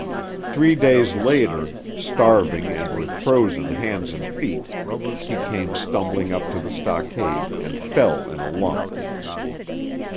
Three days later, starving and with frozen hands and feet, he came stumbling up to the stockade and fell in a lump.